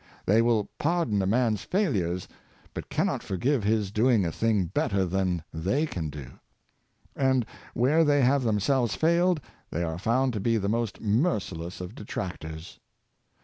They will pardon a man's failures, but cannot forgive his doing a thing better than they can do. And where they have themselves failed, they are found to be the most merciless of detractors.